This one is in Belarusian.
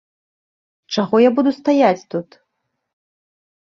Чаго я буду стаяць тут?